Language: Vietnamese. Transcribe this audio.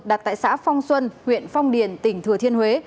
đặt tại xã phong xuân huyện phong điền tỉnh thừa thiên huế